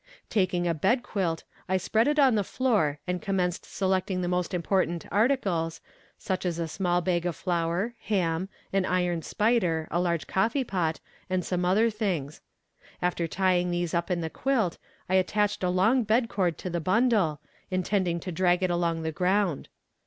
Taking a bed quilt I spread it on the floor and commenced selecting the most important articles, such as a small bag of flour, ham, an iron spider, a large coffee pot, and some other things; after tying these up in the quilt I attached a long bed cord to the bundle, intending to drag it along the ground.